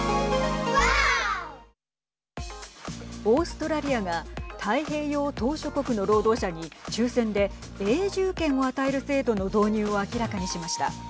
オーストラリアが太平洋島しょ国の労働者に抽せんで永住権を与える制度の導入を明らかにしました。